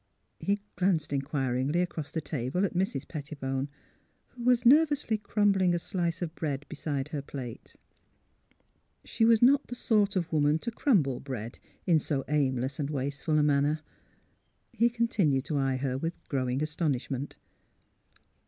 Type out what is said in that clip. He glanced inquiringly across the table at Mrs. THE CONFESSION 243 Pettibone, who was nervously crumbling a slice of bread beside her plate. She was not the sort of woman to crumble bread in so aimless and wasteful a manner. He continued to eye her with growing astonishment.